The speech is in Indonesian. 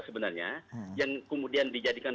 sebenarnya yang kemudian dijadikan